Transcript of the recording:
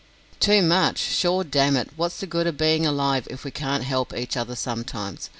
"Too much! Sure, damn it, wot's the good er bein' alive if we can't help each other sometimes.